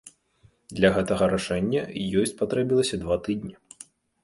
Для гэтага рашэння ёй спатрэбілася два тыдні.